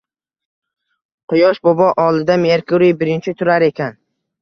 Quyosh bobo oldida Merkuriy birinchi turar ekan